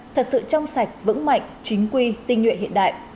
thật sự trong sạch vững mạnh chính quy tinh nhuệ hiện đại